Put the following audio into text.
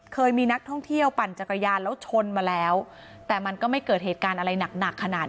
เคยมีนักท่องเที่ยวปั่นจักรยานแล้วชนมาแล้วแต่มันก็ไม่เกิดเหตุการณ์อะไรหนักหนักขนาด